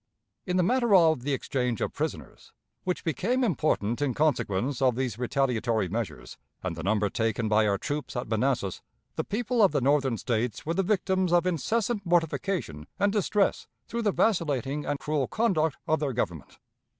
In the matter of the exchange of prisoners, which became important in consequence of these retaliatory measures, and the number taken by our troops at Manassas, the people of the Northern States were the victims of incessant mortification and distress through the vacillating and cruel conduct of their Government.